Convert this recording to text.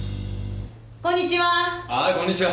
こんにちは！